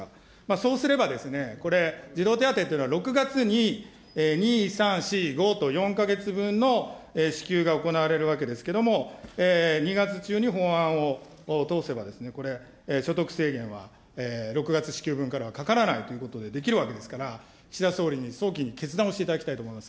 そうすればですね、これ、児童手当というのは６月に２、３、４、５と４か月分の、支給が行われるわけですけれども、２月中に法案を通せば、これ、所得制限は６月支給分からはかからないということでできるわけですから、岸田総理に早期に決断をしていただきたいと思います